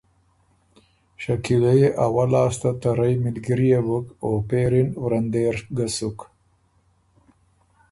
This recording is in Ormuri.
شکیلۀ يې اول لاسته ته رئ مِلګِريې بُک او پېری ن ورندېر ګۀ سُک۔